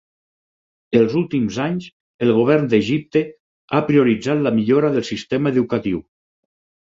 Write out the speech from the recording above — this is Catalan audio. Els últims anys, el govern d'Egipte ha prioritzat la millora del sistema educatiu.